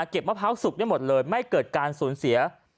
มะพร้าวสุกได้หมดเลยไม่เกิดการสูญเสีย